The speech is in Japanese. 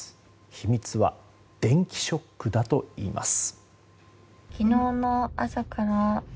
秘密は電気ショックだといいます。